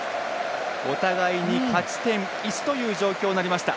お互いに勝ち点１という状況になりました。